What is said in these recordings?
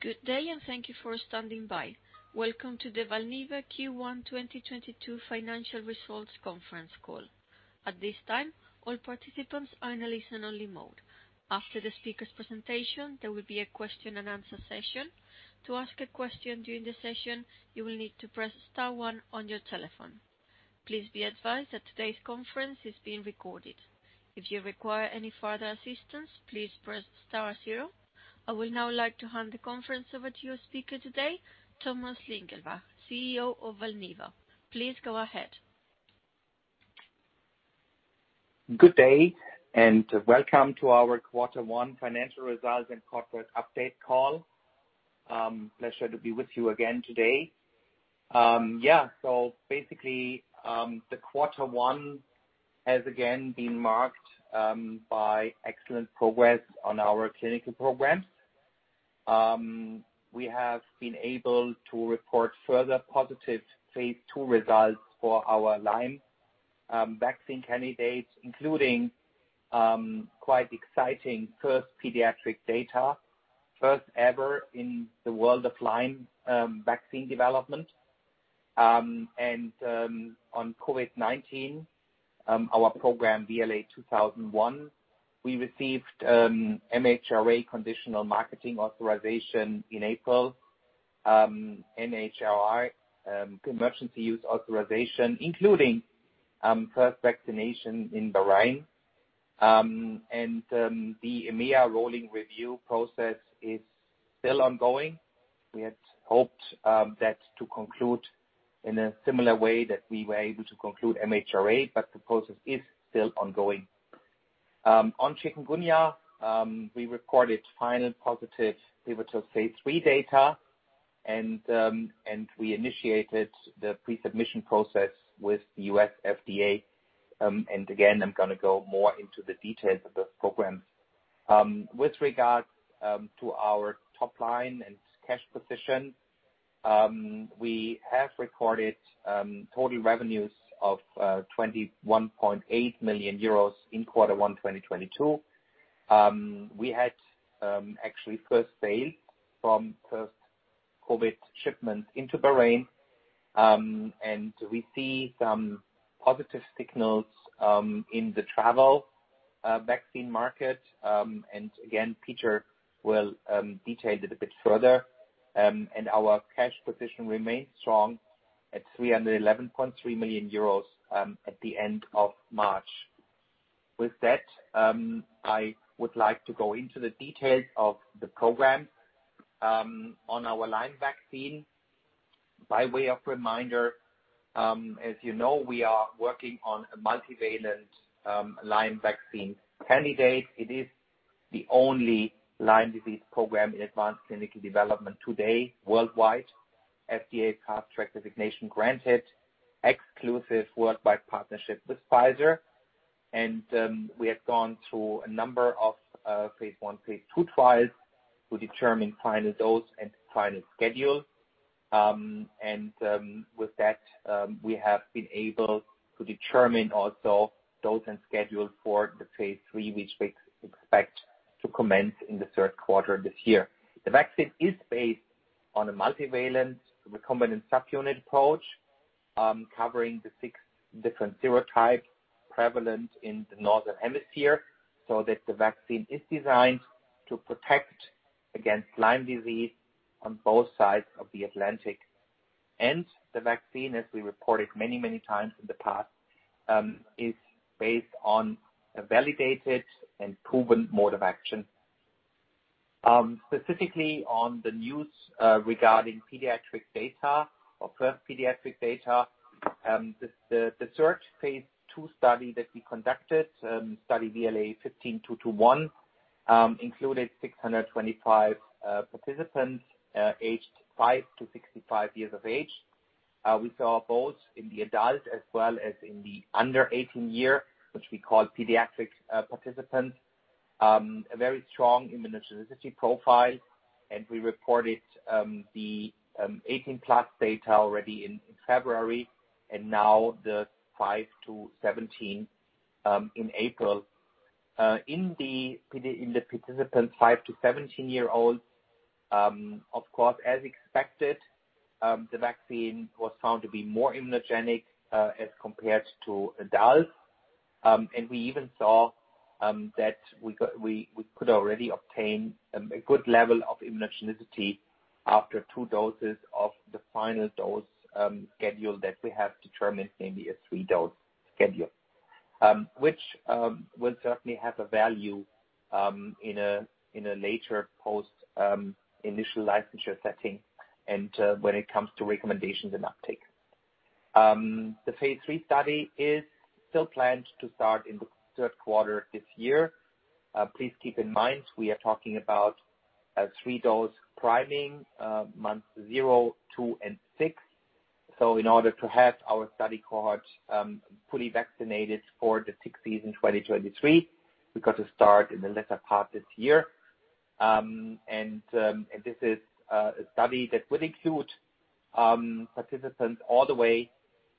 Good day, and thank you for standing by. Welcome to the Valneva Q1 2022 financial results conference call. At this time, all participants are in a listen only mode. After the speaker's presentation, there will be a question and answer session. To ask a question during the session, you will need to press star one on your telephone. Please be advised that today's conference is being recorded. If you require any further assistance, please press star zero. I would now like to hand the conference over to your speaker today, Thomas Lingelbach, CEO of Valneva. Please go ahead. Good day, and welcome to our quarter one financial results and corporate update call. Pleasure to be with you again today. The quarter one has again been marked by excellent progress on our clinical programs. We have been able to report further positive phase two results for our Lyme vaccine candidates, including quite exciting first pediatric data, first ever in the world of Lyme vaccine development. On COVID-19, our program, VLA2001, we received MHRA conditional marketing authorization in April, NHRA emergency use authorization, including first vaccination in Bahrain. The EMA rolling review process is still ongoing. We had hoped that to conclude in a similar way that we were able to conclude MHRA, but the process is still ongoing. On chikungunya, we recorded final positive pivotal phase three data and we initiated the pre-submission process with the U.S. FDA, and again, I'm gonna go more into the details of those programs. With regards to our top line and cash position, we have recorded total revenues of 21.8 million euros in Q1 2022. We had actually first sale from first COVID shipment into Bahrain, and we see some positive signals in the travel vaccine market, and again, Peter will detail it a bit further. Our cash position remains strong at 311.3 million euros at the end of March. With that, I would like to go into the details of the program on our Lyme vaccine. By way of reminder, as you know, we are working on a multivalent Lyme vaccine candidate. It is the only Lyme disease program in advanced clinical development today worldwide, FDA Fast Track designation granted, exclusive worldwide partnership with Pfizer. We have gone through a number of phase one, phase two trials to determine final dose and final schedule. With that, we have been able to determine also dose and schedule for the phase three, which we expect to commence in the third quarter this year. The vaccine is based on a multivalent recombinant subunit approach, covering the six different serotypes prevalent in the northern hemisphere, so that the vaccine is designed to protect against Lyme disease on both sides of the Atlantic. The vaccine, as we reported many, many times in the past, is based on a validated and proven mode of action. Specifically on the news regarding pediatric data or first pediatric data, the Phase two study that we conducted, study VLA15-221, included 625 participants aged 5-65 years of age. We saw both in the adult as well as in the under eighteen year, which we call pediatric, participants, a very strong immunogenicity profile. We reported the 18+ data already in February and now the 5-17 in April. In the participants 5-17-year-olds, of course, as expected, the vaccine was found to be more immunogenic as compared to adults. We even saw that we could already obtain a good level of immunogenicity after two doses of the final dose schedule that we have determined, maybe a three-dose schedule. Which will certainly have a value in a later post initial licensure setting and when it comes to recommendations and uptake. The phase three study is still planned to start in the third quarter this year. Please keep in mind we are talking about a three-dose priming, month zero, two, and six. In order to have our study cohort fully vaccinated for the tick season 2023, we've got to start in the latter part this year. This is a study that will include participants all the way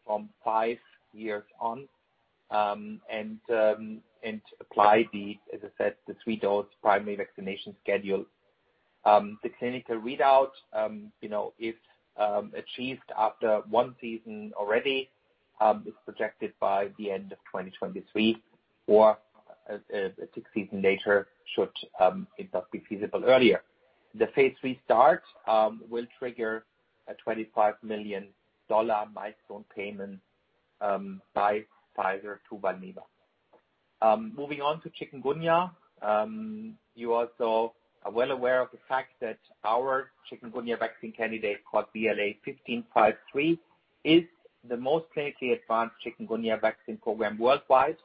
from five years on and apply, as I said, the 3-dose primary vaccination schedule. The clinical readout, you know, if achieved after one season already, is projected by the end of 2023 or a sixth season later should it not be feasible earlier. The phase restart will trigger a $25 million milestone payment by Pfizer to Valneva. Moving on to chikungunya. You also are well aware of the fact that our chikungunya vaccine candidate, called VLA1553, is the most clinically advanced chikungunya vaccine program worldwide.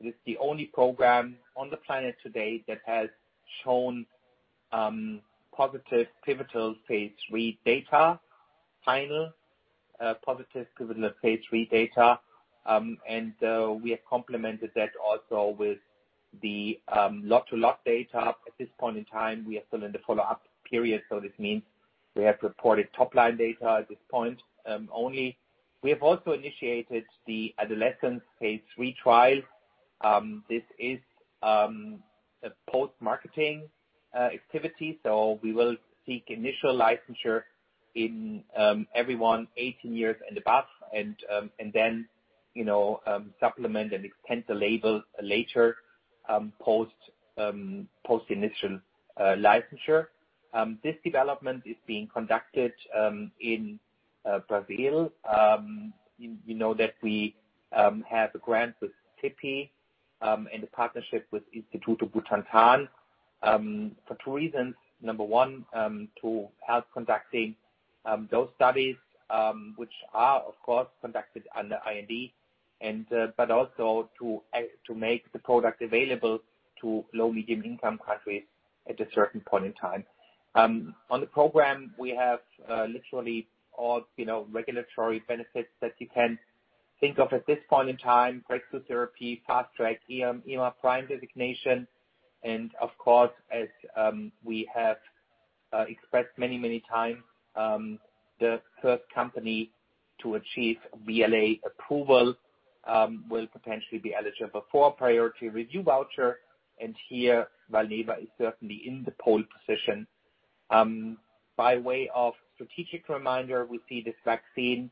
It is the only program on the planet today that has shown positive pivotal phase three data, final positive pivotal phase three data. We have complemented that also with the lot to lot data. At this point in time we are still in the follow-up period, so this means we have reported top-line data at this point only. We have also initiated the adolescent phase three trial. This is a post-marketing activity, so we will seek initial licensure in everyone 18 years and above and then, you know, supplement and extend the label later, post initial licensure. This development is being conducted in Brazil. You know that we have a grant with CEPI and a partnership with Instituto Butantan for two reasons. Number one, to help conducting those studies, which are of course conducted under IND and, but also to make the product available to low medium income countries at a certain point in time. On the program, we have literally all, you know, regulatory benefits that you can think of at this point in time, Breakthrough Therapy, Fast Track, EMA PRIME designation and of course, as we have expressed many times, the first company to achieve BLA approval will potentially be eligible for priority review voucher, and here Valneva is certainly in the pole position. By way of strategic reminder, we see this vaccine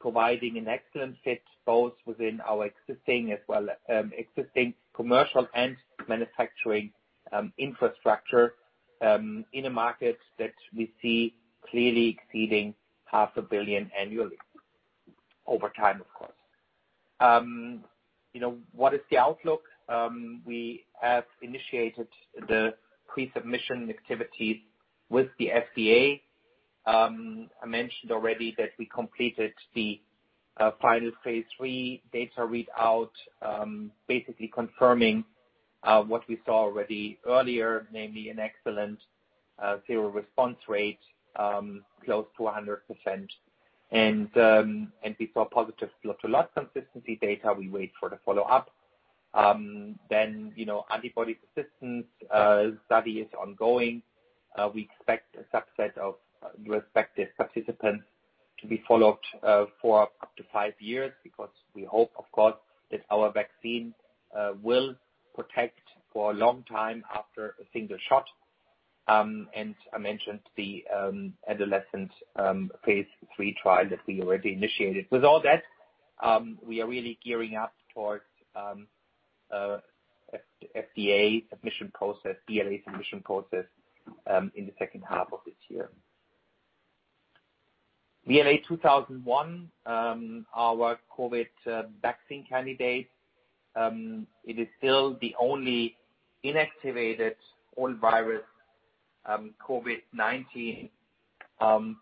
providing an excellent fit both within our existing commercial and manufacturing infrastructure in a market that we see clearly exceeding EUR half a billion annually over time, of course. You know, what is the outlook? We have initiated the pre-submission activities with the FDA. I mentioned already that we completed the final phase three data readout, basically confirming what we saw already earlier, namely an excellent seroresponse rate close to 100%. We saw positive lot to lot consistency data. We wait for the follow-up. You know, antibody persistence study is ongoing. We expect a subset of respective participants to be followed for up to five years because we hope, of course, that our vaccine will protect for a long time after a single shot. I mentioned the adolescent phase three trial that we already initiated. With all that, we are really gearing up towards FDA submission process, BLA submission process, in the second half of this year. VLA2001, our COVID vaccine candidate, it is still the only inactivated whole virus COVID-19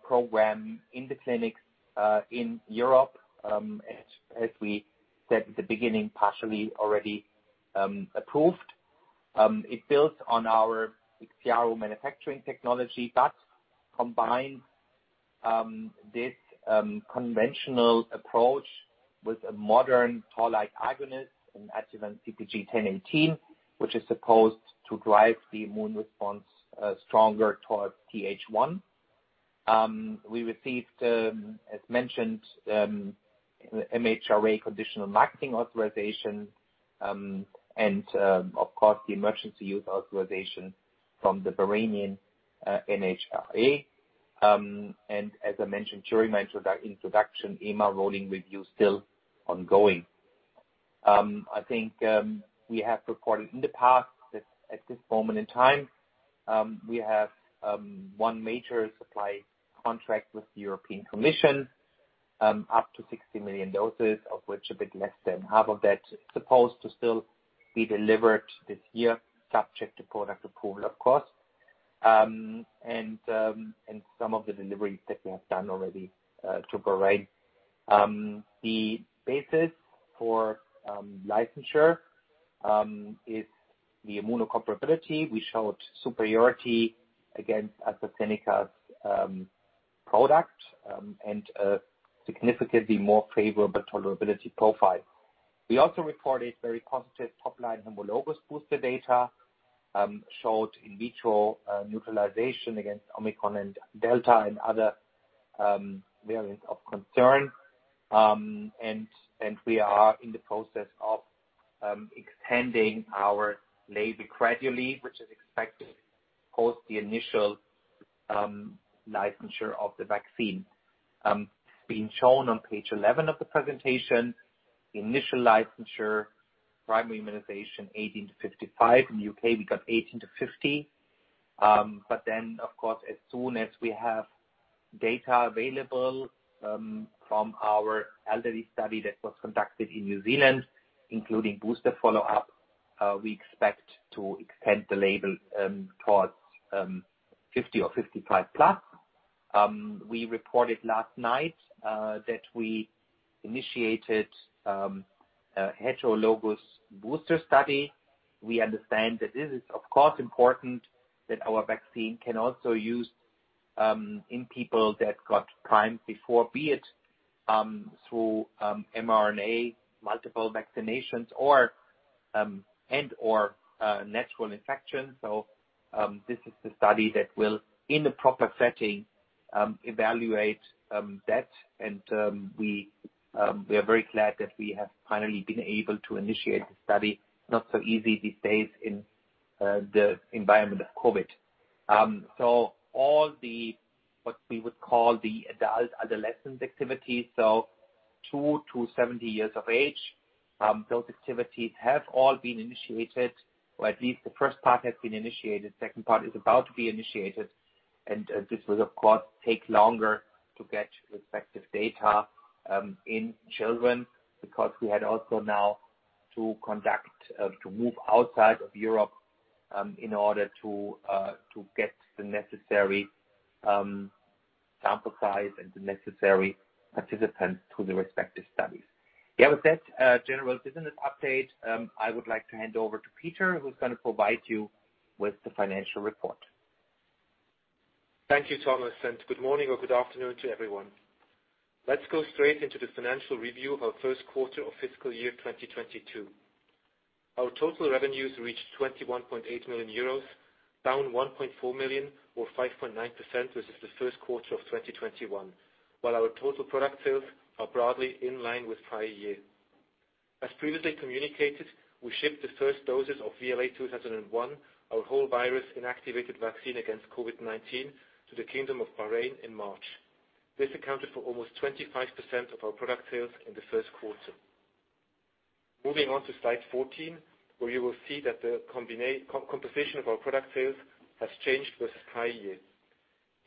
program in the clinic in Europe, as we said at the beginning, partially already approved. It builds on our IXIARO manufacturing technology that combines this conventional approach with a modern toll-like agonist, an adjuvant CpG 1018, which is supposed to drive the immune response stronger toward Th1. We received, as mentioned, MHRA conditional marketing authorization and, of course, the emergency use authorization from the Bahraini NHRA. As I mentioned, Peter mentioned, our ongoing EMA rolling review still ongoing. I think we have reported in the past that at this moment in time we have one major supply contract with the European Commission up to 60 million doses, of which a bit less than half of that is supposed to still be delivered this year, subject to product approval, of course. Some of the deliveries that we have done already to Bahrain. The basis for licensure is the immunocomparability. We showed superiority against AstraZeneca's product and a significantly more favorable tolerability profile. We also reported very positive top-line homologous booster data, showed in vitro neutralization against Omicron and Delta and other variants of concern. We are in the process of extending our label gradually, which is expected post the initial licensure of the vaccine. Being shown on page 11 of the presentation, the initial licensure primary immunization 18-55. In the UK, we got 18-50. Of course, as soon as we have data available from our elderly study that was conducted in New Zealand, including booster follow-up, we expect to extend the label towards 50 or 55+. We reported last night that we initiated a heterologous booster study. We understand that this is, of course, important that our vaccine can also use in people that got primed before, be it through mRNA, multiple vaccinations or and/or natural infection. This is the study that will, in the proper setting, evaluate that. We are very glad that we have finally been able to initiate the study. Not so easy these days in the environment of COVID. All the what we would call the adult adolescent activities, so 2-70 years of age, those activities have all been initiated, or at least the first part has been initiated, second part is about to be initiated. This will of course take longer to get respective data in children because we had also now to conduct to move outside of Europe in order to to get the necessary sample size and the necessary participants to the respective studies. Yeah, with that general business update, I would like to hand over to Peter, who's gonna provide you with the financial report. Thank you, Thomas, and good morning or good afternoon to everyone. Let's go straight into the financial review of our first quarter of fiscal year 2022. Our total revenues reached 21.8 million euros, down 1.4 million or 5.9% versus the Q1 of 2021, while our total product sales are broadly in line with prior year. As previously communicated, we shipped the first doses of VLA2001, our whole virus inactivated vaccine against COVID-19, to the Kingdom of Bahrain in March. This accounted for almost 25% of our product sales in the first quarter. Moving on to slide 14, where you will see that the composition of our product sales has changed versus prior year.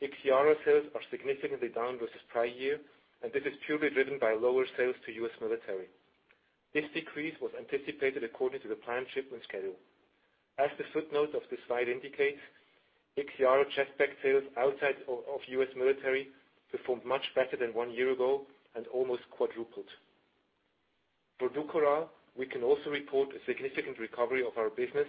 IXIARO sales are significantly down versus prior year, and this is purely driven by lower sales to U.S. military. This decrease was anticipated according to the planned shipment schedule. As the footnote of this slide indicates, IXIARO six-pack sales outside of U.S. military performed much better than one year ago and almost quadrupled. For DUKORAL, we can also report a significant recovery of our business,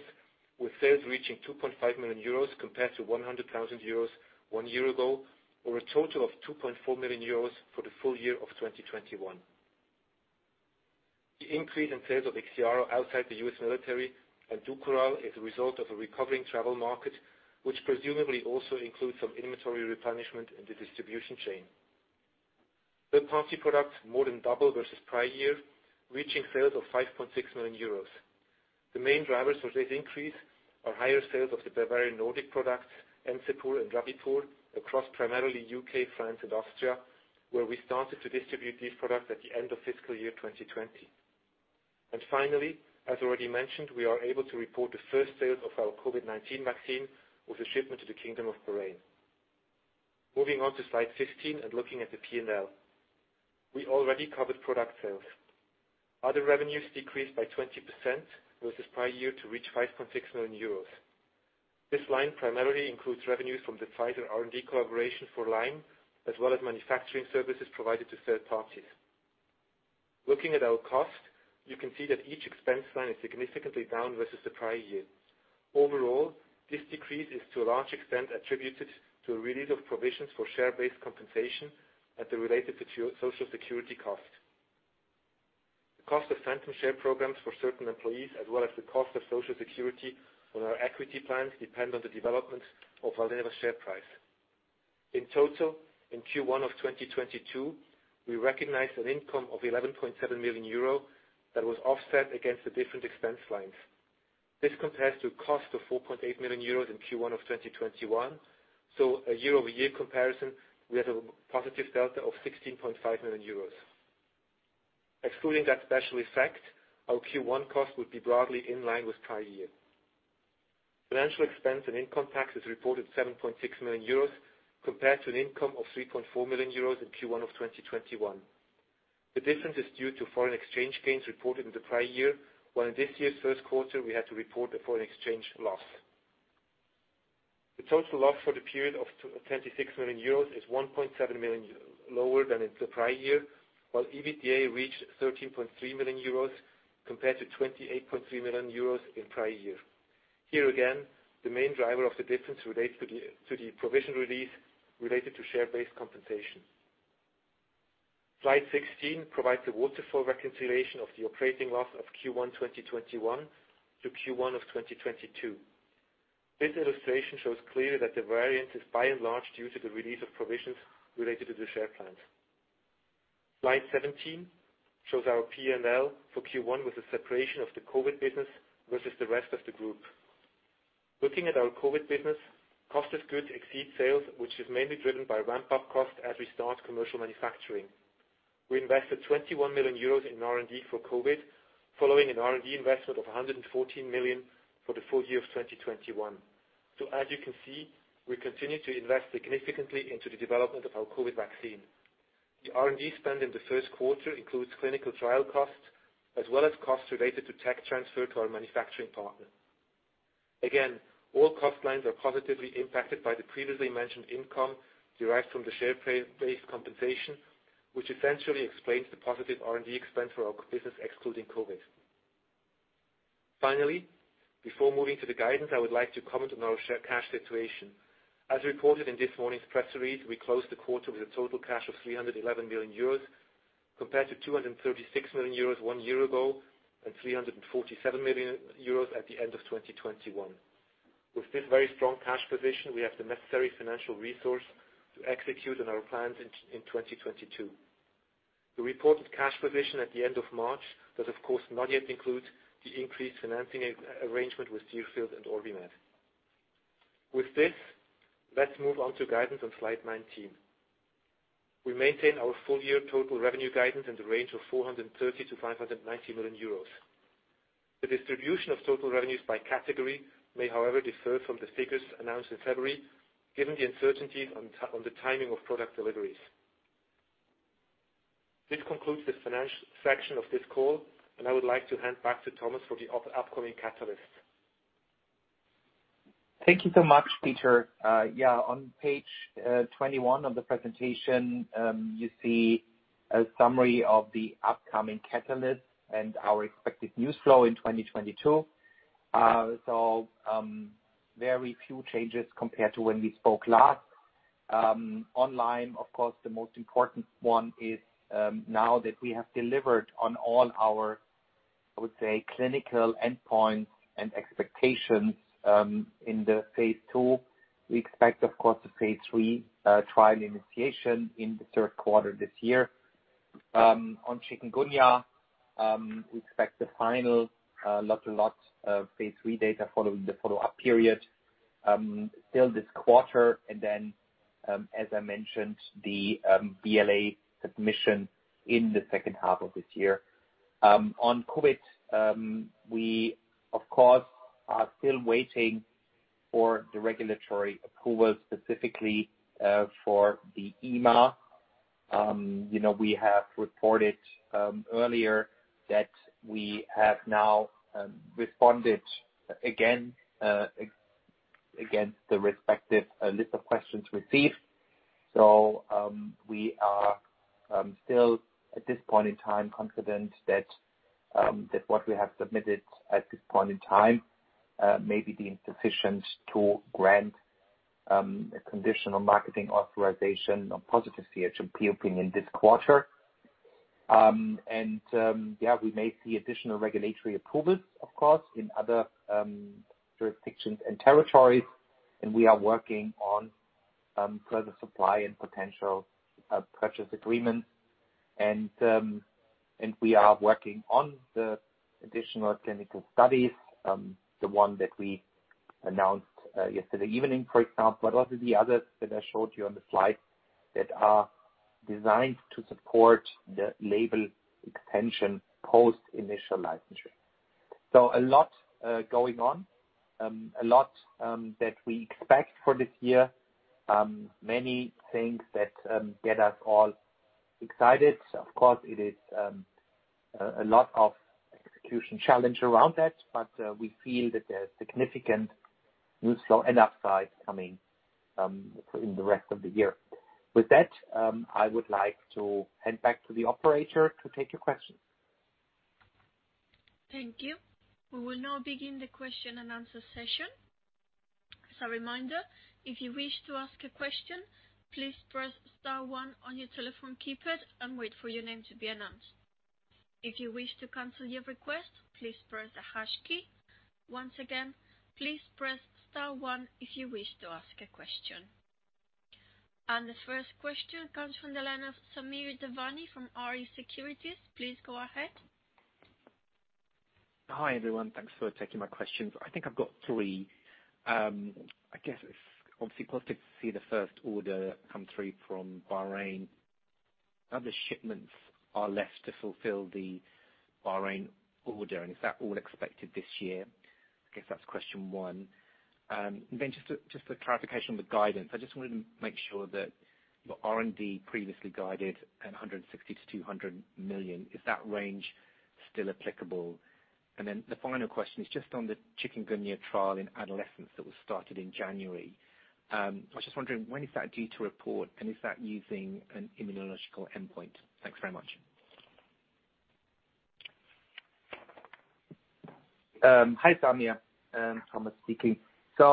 with sales reaching 2.5 million euros compared to 100,000 euros one year ago, or a total of 2.4 million euros for the full year of 2021. The increase in sales of IXIARO outside the U.S. military and DUKORAL is a result of a recovering travel market, which presumably also includes some inventory replenishment in the distribution chain. Third-party products more than doubled versus prior year, reaching sales of 5.6 million euros. The main drivers for this increase are higher sales of the Bavarian Nordic products, Encepur and Rabipur, across primarily U.K., France and Austria, where we started to distribute these products at the end of fiscal year 2020. Finally, as already mentioned, we are able to report the first sales of our COVID-19 vaccine with a shipment to the Kingdom of Bahrain. Moving on to slide 15 and looking at the P&L. We already covered product sales. Other revenues decreased by 20% versus prior year to reach 5.6 million euros. This line primarily includes revenues from the Pfizer R&D collaboration for Lyme, as well as manufacturing services provided to third parties. Looking at our costs, you can see that each expense line is significantly down versus the prior year. Overall, this decrease is to a large extent attributed to a release of provisions for share-based compensation and the related social security cost. The cost of phantom share programs for certain employees, as well as the cost of social security on our equity plans, depend on the development of our Valneva share price. In total, in Q1 of 2022, we recognized an income of 11.7 million euro that was offset against the different expense lines. This compares to a cost of 4.8 million euros in Q1 of 2021, so a year-over-year comparison, we have a positive delta of 16.5 million euros. Excluding that special effect, our Q1 cost would be broadly in line with prior year. Financial expense and income tax is reported 7.6 million euros compared to an income of 3.4 million euros in Q1 of 2021. The difference is due to foreign exchange gains reported in the prior year, while in this year's first quarter, we had to report a foreign exchange loss. The total loss for the period of 26 million euros is 1.7 million euros lower than in the prior year, while EBITDA reached 13.3 million euros compared to 28.3 million euros in prior year. Here again, the main driver of the difference relates to the provision release related to share-based compensation. Slide 16 provides a waterfall reconciliation of the operating loss of Q1, 2021 to Q1 of 2022. This illustration shows clearly that the variance is by and large due to the release of provisions related to the share plans. Slide 17 shows our P&L for Q1 with the separation of the COVID business versus the rest of the group. Looking at our COVID business, cost of goods exceed sales, which is mainly driven by ramp-up costs as we start commercial manufacturing. We invested 21 million euros in R&D for COVID, following an R&D investment of 114 million for the full year of 2021. As you can see, we continue to invest significantly into the development of our COVID vaccine. The R&D spend in the first quarter includes clinical trial costs, as well as costs related to tech transfer to our manufacturing partner. Again, all cost lines are positively impacted by the previously mentioned income derived from the share pay-based compensation, which essentially explains the positive R&D expense for our business excluding COVID. Finally, before moving to the guidance, I would like to comment on our share cash situation. As reported in this morning's press release, we closed the quarter with a total cash of 311 million euros compared to 236 million euros one year ago and 347 million euros at the end of 2021. With this very strong cash position, we have the necessary financial resource to execute on our plans in 2022. The reported cash position at the end of March does, of course, not yet include the increased financing arrangement with Deerfield and OrbiMed. With this, let's move on to guidance on slide 19. We maintain our full year total revenue guidance in the range of 430 million-590 million euros. The distribution of total revenues by category may, however, differ from the figures announced in February, given the uncertainties on the timing of product deliveries. This concludes the financial section of this call, and I would like to hand back to Thomas for the upcoming catalysts. Thank you so much, Peter. Yeah, on page 21 of the presentation, you see a summary of the upcoming catalysts and our expected news flow in 2022. Very few changes compared to when we spoke last. On Lyme, of course, the most important one is, now that we have delivered on all our, I would say, clinical endpoints and expectations, in the phase two, we expect, of course, the phase three trial initiation in the third quarter this year. On chikungunya, we expect the final lot-to-lot phase three data following the follow-up period, still this quarter. As I mentioned, the BLA submission in the second half of this year. On COVID, we of course are still waiting for the regulatory approval, specifically, for the EMA. You know, we have reported earlier that we have now responded again against the respective list of questions received. We are still at this point in time confident that what we have submitted at this point in time may be deemed sufficient to grant a Conditional Marketing Authorization or positive CHMP opinion this quarter. Yeah, we may see additional regulatory approvals, of course, in other jurisdictions and territories, and we are working on further supply and potential purchase agreements. We are working on the additional clinical studies, the one that we announced yesterday evening, for example, also the others that I showed you on the slide that are designed to support the label extension post initial licensure. A lot going on, a lot that we expect for this year. Many things that get us all excited. Of course, it is a lot of execution challenge around that, but we feel that there's significant news flow and upside coming in the rest of the year. With that, I would like to hand back to the operator to take your questions. Thank you. We will now begin the question and answer session. As a reminder, if you wish to ask a question, please press star one on your telephone keypad and wait for your name to be announced. If you wish to cancel your request, please press the hash key. Once again, please press star one if you wish to ask a question. The first question comes from the line of Samir Devani from Rx Securities. Please go ahead. Hi, everyone. Thanks for taking my questions. I think I've got three. I guess it's obviously positive to see the first order come through from Bahrain. How many shipments are left to fulfill the Bahrain order, and is that all expected this year? I guess that's question one. Just a clarification on the guidance. I just wanted to make sure that your R&D previously guided at 160 million-200 million, is that range still applicable? The final question is just on the chikungunya trial in adolescents that was started in January. I was just wondering when is that due to report, and is that using an immunological endpoint? Thanks very much. Hi, Samir, Thomas speaking.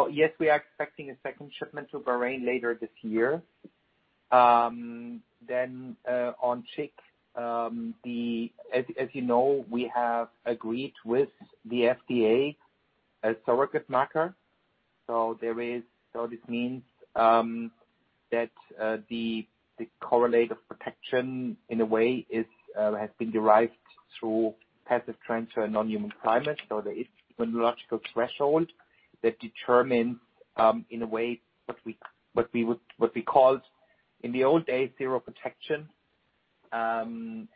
Yes, we are expecting a second shipment to Bahrain later this year. On chikungunya, as you know, we have agreed with the FDA a surrogate marker. This means that the correlate of protection in a way is has been derived through passive transfer and non-human primates. There is immunological threshold that determines in a way what we called in the old days zero protection, and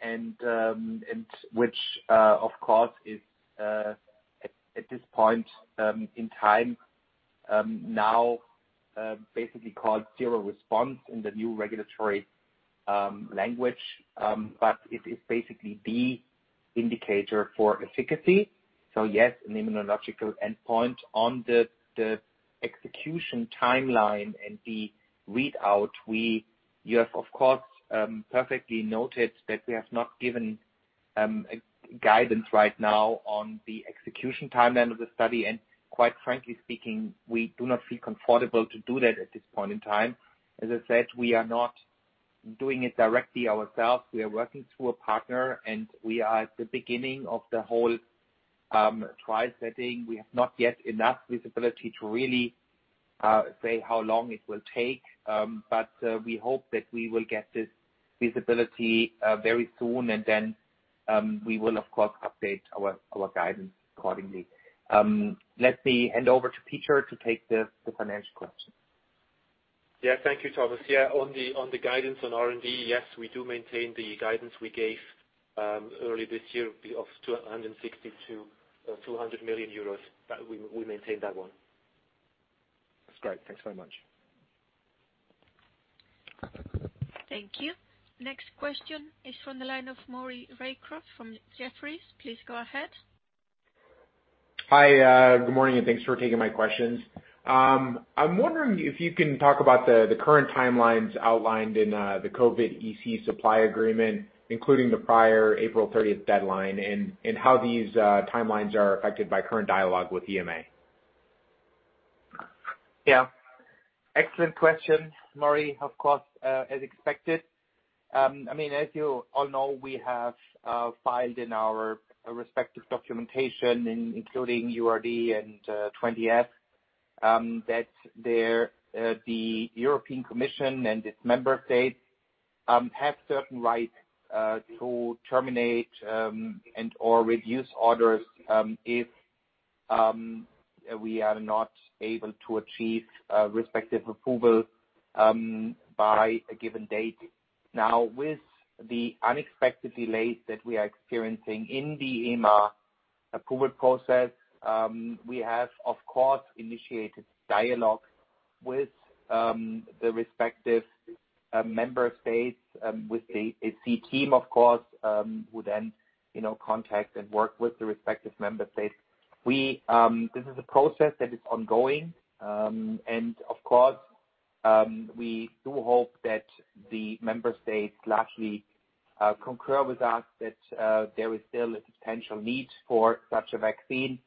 which of course is at this point in time now basically called zero response in the new regulatory language. It is basically the indicator for efficacy. Yes, an immunological endpoint on the execution timeline and the readout. You have, of course, perfectly noted that we have not given a guidance right now on the execution timeline of the study. Quite frankly speaking, we do not feel comfortable to do that at this point in time. As I said, we are not doing it directly ourselves. We are working through a partner, and we are at the beginning of the whole trial setting. We have not yet enough visibility to really say how long it will take. But we hope that we will get this visibility very soon, and then we will of course update our guidance accordingly. Let me hand over to Peter to take the financial question. Yeah. Thank you, Thomas. Yeah, on the guidance on R&D, yes, we do maintain the guidance we gave early this year of 262 million euros, but we maintain that one. That's great. Thanks very much. Thank you. Next question is from the line of Maury Raycroft from Jefferies. Please go ahead. Hi, good morning, and thanks for taking my questions. I'm wondering if you can talk about the current timelines outlined in the COVID EC supply agreement, including the prior April thirtieth deadline, and how these timelines are affected by current dialogue with EMA. Yeah. Excellent question, Maury, of course, as expected. I mean, as you all know, we have filed in our respective documentation including URD and 20-F that the European Commission and its member states have certain rights to terminate and/or reduce orders if we are not able to achieve respective approval by a given date. Now, with the unexpected delays that we are experiencing in the EMA approval process, we have of course initiated dialogue with the respective member states, with the EC team of course, who then, you know, contact and work with the respective member states. This is a process that is ongoing, and of course, we do hope that the member states largely concur with us that there is still a potential need for such a vaccine,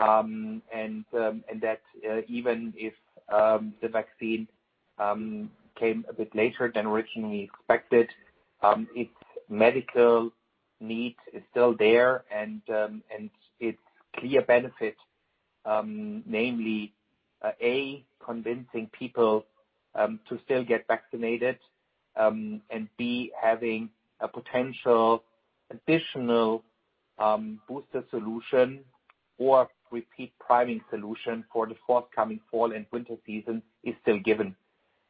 and that even if the vaccine came a bit later than originally expected, its medical need is still there, and its clear benefit, namely, A, convincing people to still get vaccinated, and B, having a potential additional booster solution or repeat priming solution for the forthcoming fall and winter season, is still given.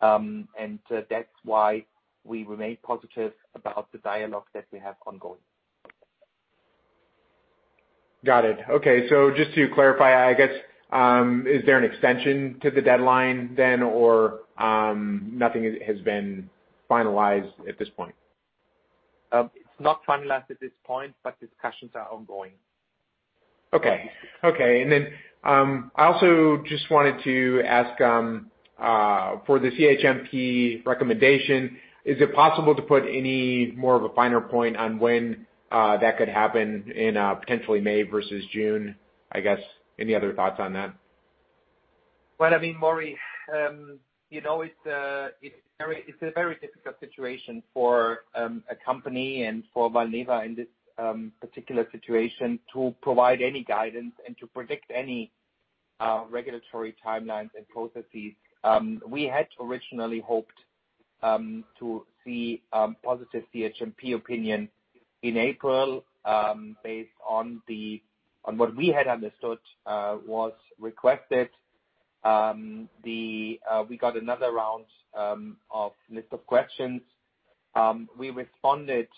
That's why we remain positive about the dialogue that we have ongoing. Got it. Okay. Just to clarify, I guess, is there an extension to the deadline then, or nothing has been finalized at this point? It's not finalized at this point, but discussions are ongoing. Okay. I also just wanted to ask for the CHMP recommendation, is it possible to put any more of a finer point on when that could happen in potentially May versus June, I guess? Any other thoughts on that? Well, I mean, Maury, you know, it's a very difficult situation for a company and for Valneva in this particular situation to provide any guidance and to predict any regulatory timelines and processes. We had originally hoped to see a positive CHMP opinion in April based on what we had understood was requested. We got another round of list of questions. We responded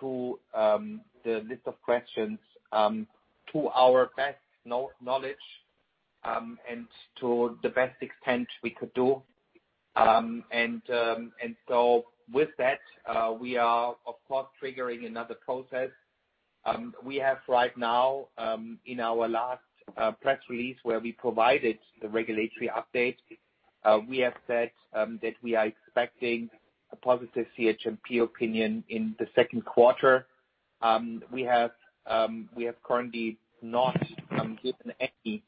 to the list of questions to our best knowledge and to the best extent we could do. With that, we are of course triggering another process. We have right now, in our last press release where we provided the regulatory update, we have said that we are expecting a positive CHMP opinion in the second quarter. We have currently not given any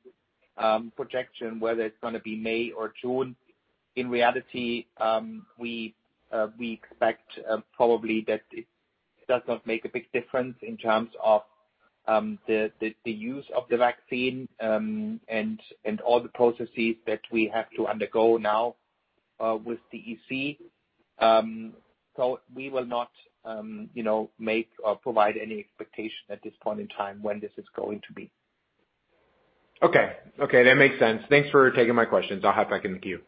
projection whether it's gonna be May or June. In reality, we expect probably that it does not make a big difference in terms of the use of the vaccine, and all the processes that we have to undergo now with the EC. We will not, you know, make or provide any expectation at this point in time when this is going to be. Okay. Okay, that makes sense. Thanks for taking my questions. I'll hop back in the queue.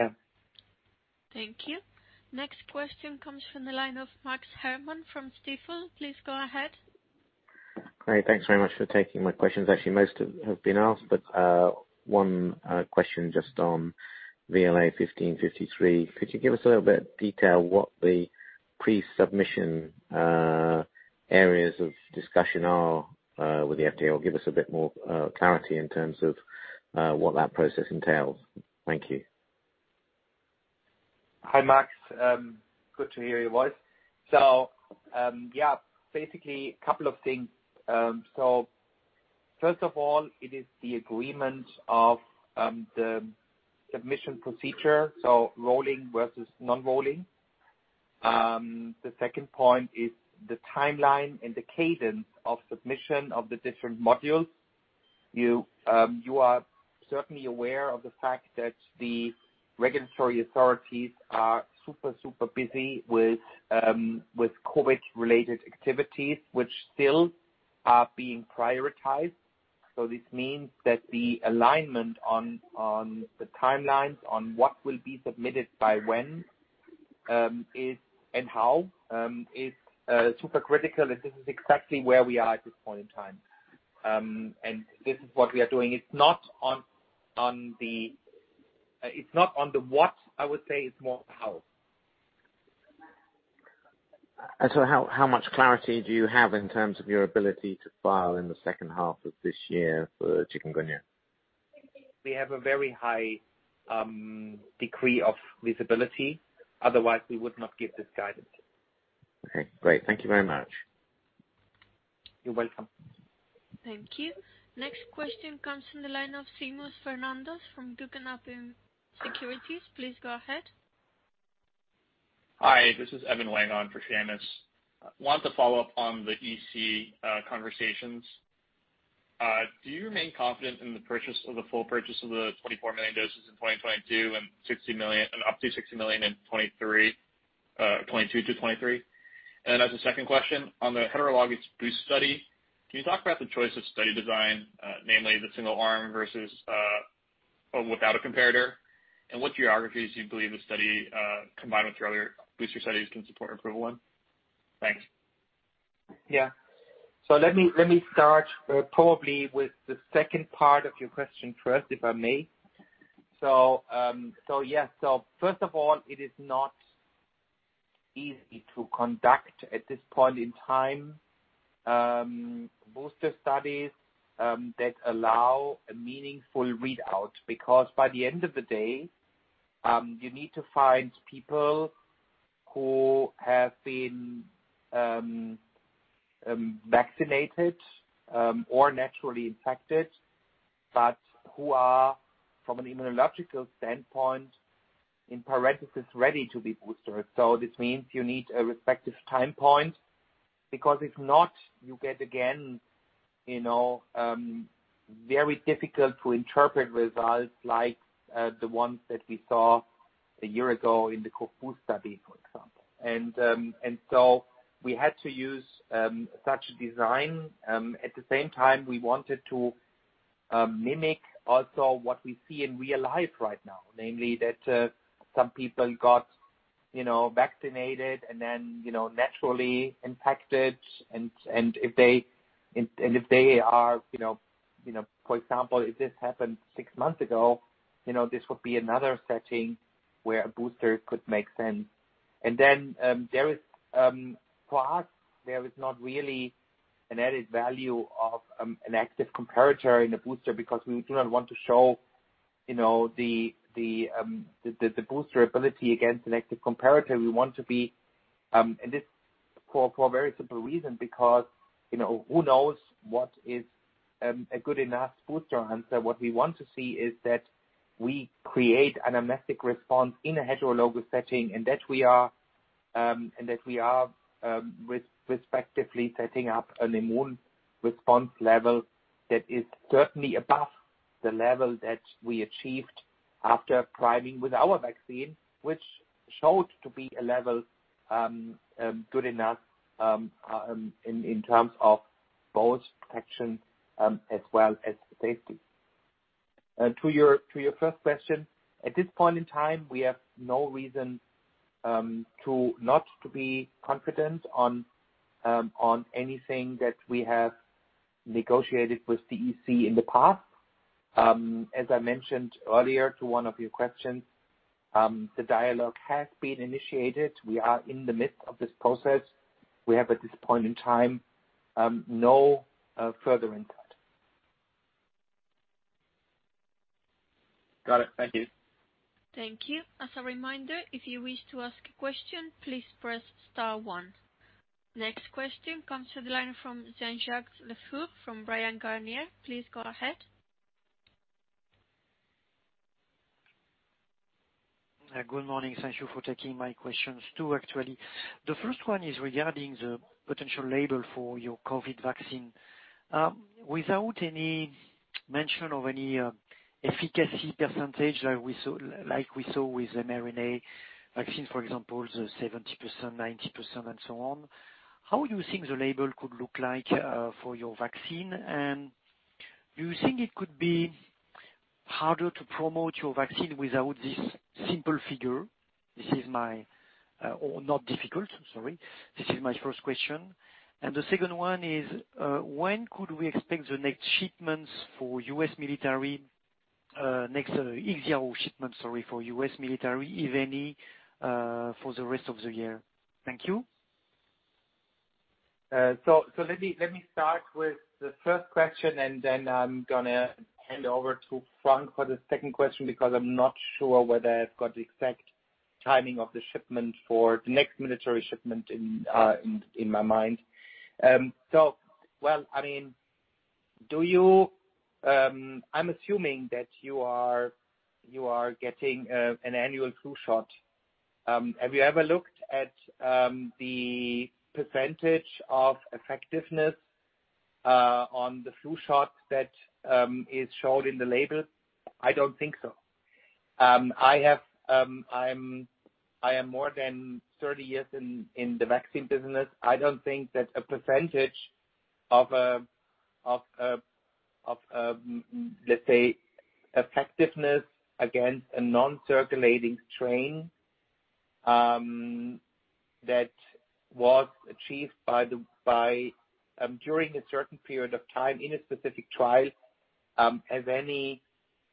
Yeah. Thank you. Next question comes from the line of Max Herrmann from Stifel. Please go ahead. Great. Thanks very much for taking my questions. Actually, most have been asked, but one question just on VLA1553. Could you give us a little bit of detail what the pre-submission areas of discussion are with the FDA, or give us a bit more clarity in terms of what that process entails? Thank you. Hi, Max. Good to hear your voice. Yeah, basically a couple of things. First of all, it is the agreement of the submission procedure, so rolling versus non-rolling. The second point is the timeline and the cadence of submission of the different modules. You are certainly aware of the fact that the regulatory authorities are super busy with COVID-related activities, which still are being prioritized. This means that the alignment on the timelines on what will be submitted by when and how is super critical, and this is exactly where we are at this point in time. This is what we are doing. It's not on the what, I would say. It's more how. How much clarity do you have in terms of your ability to file in the second half of this year for chikungunya? We have a very high degree of visibility. Otherwise, we would not give this guidance. Okay. Great. Thank you very much. You're welcome. Thank you. Next question comes from the line of Seamus Fernandez from Guggenheim Securities. Please go ahead. Hi, this is Evan Langan on for Seamus. Wanted to follow up on the EC conversations. Do you remain confident in the purchase of the full purchase of the 24 million doses in 2022 and 60 million, and up to 60 million in 2023, 2022-2023? As a second question, on the heterologous boost study, can you talk about the choice of study design, namely the single arm versus or without a comparator, and what geographies do you believe the study combined with your other booster studies can support approval in? Thanks. Yeah. Let me start probably with the second part of your question first, if I may. First of all, it is not easy to conduct at this point in time booster studies that allow a meaningful readout. Because by the end of the day, you need to find people who have been vaccinated or naturally infected, but who are from an immunological standpoint, in parentheses, ready to be boosted. This means you need a respective time point, because if not, you get again, you know, very difficult to interpret results like the ones that we saw a year ago in the COV-BOOST study, for example. We had to use such design. At the same time, we wanted to mimic also what we see in real life right now, namely that some people got, you know, vaccinated and then, you know, naturally infected. If they are, you know, for example, if this happened six months ago, you know, this would be another setting where a booster could make sense. There is, for us, not really an added value of an active comparator in the booster because we do not want to show, you know, the booster ability against an active comparator. We want to be, and this for a very simple reason, because, you know, who knows what is a good enough booster answer. What we want to see is that we create an anamnestic response in a heterologous setting, and that we are respectively setting up an immune response level that is certainly above the level that we achieved after priming with our vaccine, which showed to be a level good enough in terms of both protection as well as safety. To your first question, at this point in time, we have no reason to not to be confident on anything that we have negotiated with EC in the past. As I mentioned earlier to one of your questions, the dialogue has been initiated. We are in the midst of this process. We have, at this point in time, no further input. Got it. Thank you. Thank you. As a reminder, if you wish to ask a question, please press star one. Next question comes to the line from Jean-Jacques Le Fur from Bryan, Garnier & Co. Please go ahead. Good morning. Thank you for taking my questions, too, actually. The first one is regarding the potential label for your COVID vaccine. Without any mention of any efficacy percentage, like we saw with the mRNA vaccine, for example, the 70%, 90% and so on. How you think the label could look like for your vaccine? And do you think it could be harder to promote your vaccine without this simple figure? This is my first question. The second one is, when could we expect the next shipments for U.S. Military, next IXIARO shipment, sorry, for U.S. Military, if any, for the rest of the year? Thank you. Let me start with the first question, and then I'm gonna hand over to Franck for the second question because I'm not sure whether I've got the exact timing of the shipment for the next military shipment in my mind. I mean, do you, I'm assuming that you are getting an annual flu shot. Have you ever looked at the percentage of effectiveness on the flu shot that is shown in the label? I don't think so. I have. I'm more than 30 years in the vaccine business. I don't think that a percentage of, let's say, effectiveness against a non-circulating strain that was achieved during a certain period of time in a specific trial has any,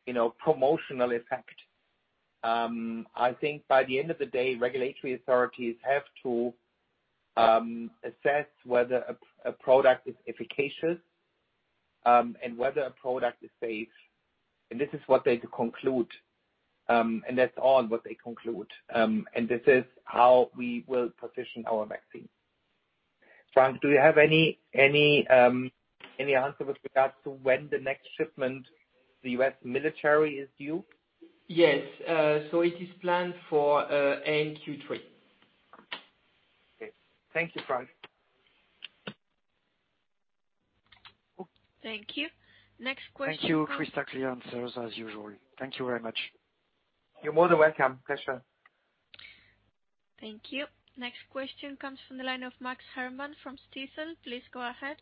you know, promotional effect. I think by the end of the day, regulatory authorities have to assess whether a product is efficacious and whether a product is safe, and this is what they conclude and that's all what they conclude. This is how we will position our vaccine. Franck, do you have any answer with regards to when the next shipment to the U.S. military is due? Yes. It is planned for in Q3. Okay. Thank you, Franck. Thank you. Next question. Thank you. Crystal clear answers as usual. Thank you very much. You're more than welcome. Pleasure. Thank you. Next question comes from the line of Max Herrmann from Stifel. Please go ahead.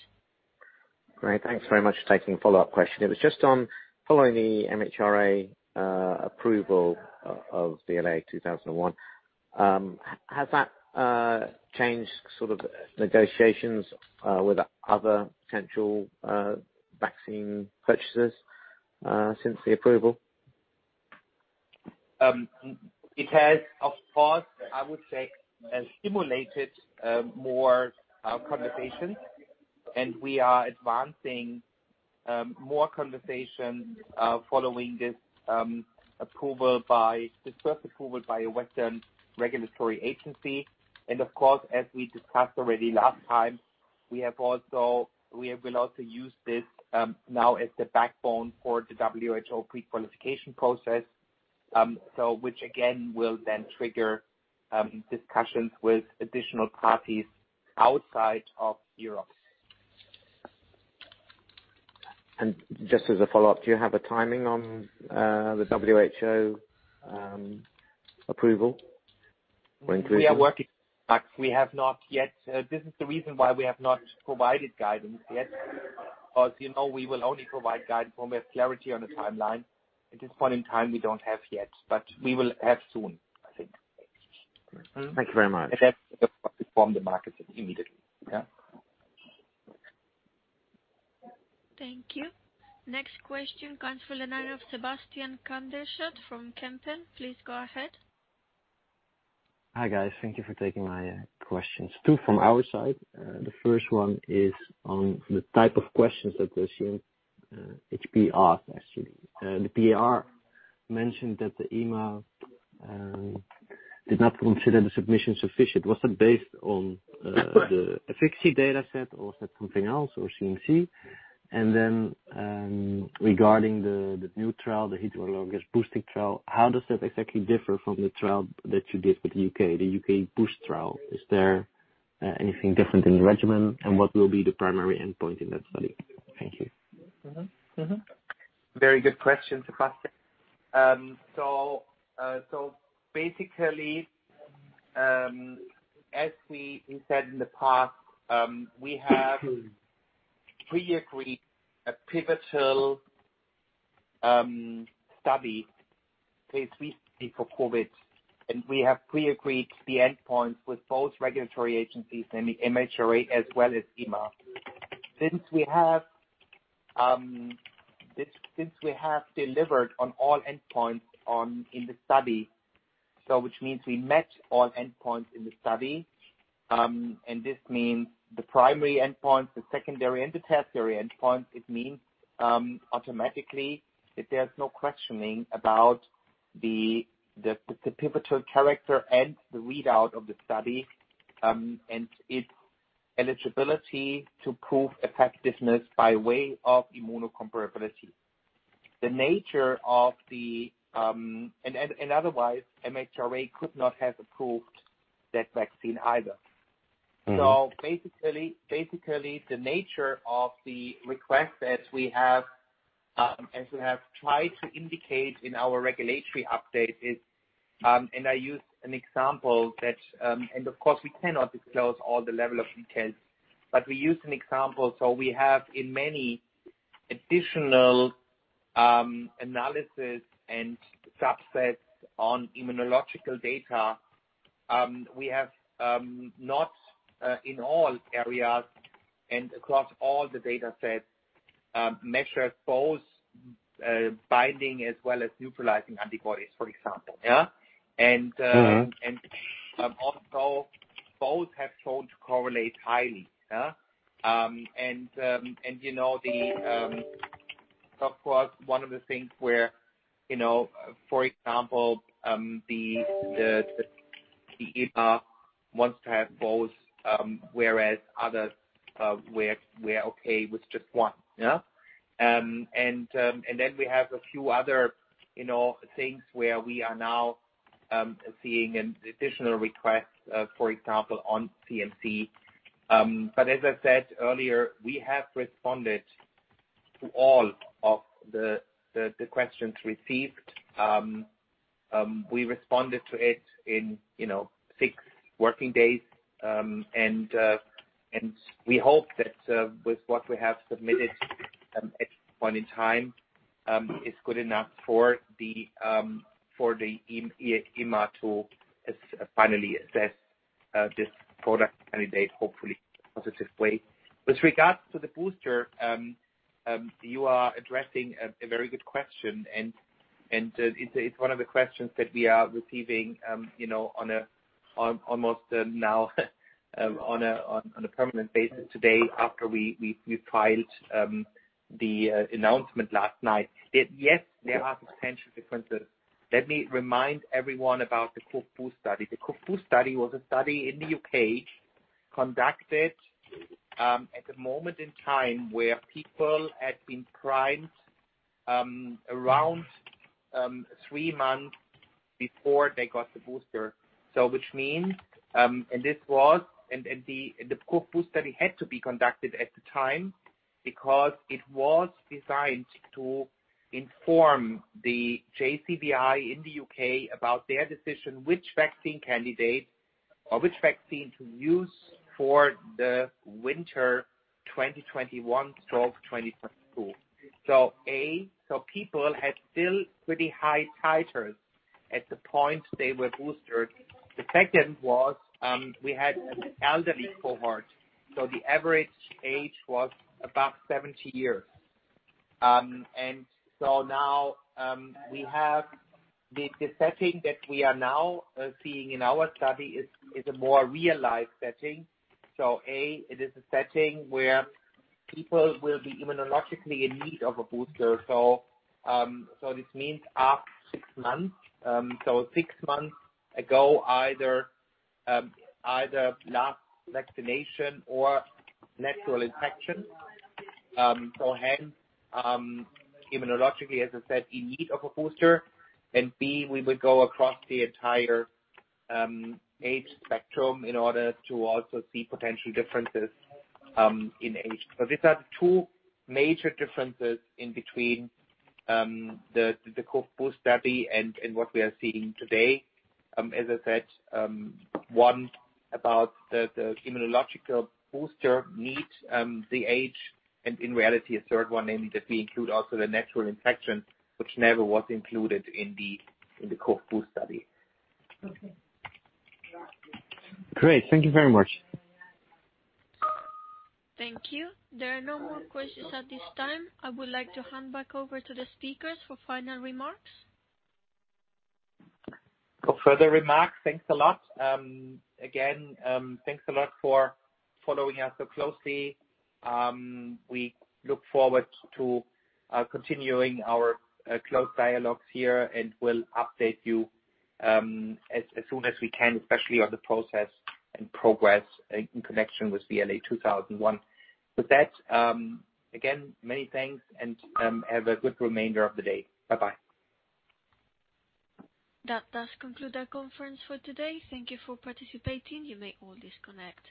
Great. Thanks very much for taking a follow-up question. It was just on following the MHRA approval of VLA2001. Has that changed sort of negotiations with other potential vaccine purchasers since the approval? It has, of course, I would say, stimulated more conversations and we are advancing more conversations following this first approval by a Western regulatory agency. Of course, as we discussed already last time, we will also use this now as the backbone for the WHO pre-qualification process, which again will then trigger discussions with additional parties outside of Europe. Just as a follow-up, do you have a timing on the WHO approval or inclusion? We are working, Max. We have not yet. This is the reason why we have not provided guidance yet. As you know, we will only provide guidance when we have clarity on the timeline. At this point in time, we don't have yet, but we will have soon, I think. Thank you very much. That's to inform the markets immediately. Yeah. Thank you. Next question comes from the line of Sebastian Bray from Kempen & Co. Please go ahead. Hi, guys. Thank you for taking my questions. Two from our side. The first one is on the type of questions that the CHMP asked actually. The PR mentioned that the EMA did not consider the submission sufficient. Was that based on the efficacy data set or is that something else, or CMC? And then, regarding the new trial, the heterologous boosting trial, how does that exactly differ from the trial that you did with the UK, the UK boost trial? Is there anything different in the regimen? And what will be the primary endpoint in that study? Thank you. Mm-hmm. Mm-hmm. Very good question, Sebastian. So basically, as we said in the past, we have pre-agreed a pivotal study, phase three study for COVID, and we have pre-agreed the endpoints with both regulatory agencies and the MHRA as well as EMA. Since we have delivered on all endpoints in the study, which means we match all endpoints in the study. And this means the primary endpoint, the secondary and the tertiary endpoint. It means automatically that there's no questioning about the pivotal character and the readout of the study and its eligibility to prove effectiveness by way of immunobridging. Otherwise, MHRA could not have approved that vaccine either. Mm-hmm. Basically, the nature of the request that we have, as we have tried to indicate in our regulatory update, is. I use an example that, and of course, we cannot disclose all the level of details, but we use an example. We have in many additional analysis and subsets on immunological data, we have not in all areas and across all the data sets measured both binding as well as neutralizing antibodies, for example. Also both have shown to correlate highly. You know, of course, one of the things where, you know, for example, the EMA wants to have both, whereas others, we're okay with just one. We have a few other, you know, things where we are now seeing an additional request, for example, on CMC. As I said earlier, we have responded to all of the questions received. We responded to it in, you know, six working days, and we hope that with what we have submitted on time is good enough for the EMA to finally assess this product candidate, hopefully in a positive way. With regard to the booster, you are addressing a very good question and, it's one of the questions that we are receiving, you know, on almost a permanent basis now after we filed the announcement last night. Yes, there are potential differences. Let me remind everyone about the COV-BOOST study. The COV-BOOST study was a study in the UK conducted at the moment in time where people had been primed around three months before they got the booster. Which means, and this was. The COV-BOOST study had to be conducted at the time because it was designed to inform the JCVI in the UK about their decision which vaccine candidate or which vaccine to use for the winter 2021-2022. People had still pretty high titers at the point they were boosted. The second was, we had an elderly cohort, the average age was about 70 years. We have the setting that we are now seeing in our study is a more real-life setting. It is a setting where people will be immunologically in need of a booster. This means after six months, six months ago, either last vaccination or natural infection. Hence, immunologically, as I said, in need of a booster. B, we would go across the entire age spectrum in order to also see potential differences in age. These are the two major differences between the COV-BOOST study and what we are seeing today. As I said, one about the immunological booster need, the age, and in reality a third one, namely that we include also the natural infection which never was included in the COV-BOOST study. Great. Thank you very much. Thank you. There are no more questions at this time. I would like to hand back over to the speakers for final remarks. No further remarks. Thanks a lot. Again, thanks a lot for following us so closely. We look forward to continuing our close dialogues here, and we'll update you as soon as we can, especially on the process and progress in connection with the VLA2001. With that, again, many thanks and have a good remainder of the day. Bye-bye. That does conclude our conference for today. Thank you for participating. You may all disconnect.